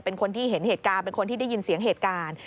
เป็นคนที่เห็นเหตุการณ์เป็นคนที่ได้ยินเสียงเหตุการณ์